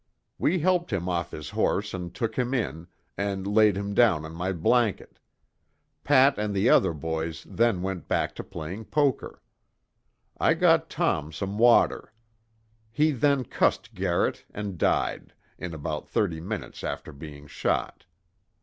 We helped him off his horse and took him in, and laid him down on my blanket. Pat and the other boys then went back to playing poker. I got Tom some water. He then cussed Garrett and died, in about thirty minutes after being shot.